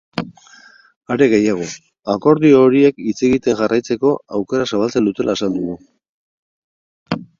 Are gehiago, akordio horiek hitz egiten jarraitzeko aukera zabaltzen dutela azaldu du.